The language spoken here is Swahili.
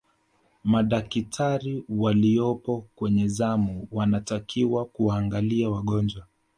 madakitari waliyopo kwenye zamu wanatakiwa kuwaangalia wagonjwa